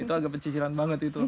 itu agak pecicilan banget itu